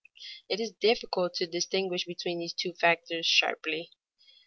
_ It is difficult to distinguish these two factors sharply.